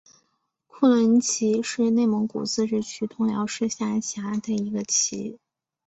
库伦旗是内蒙古自治区通辽市下辖的一个旗。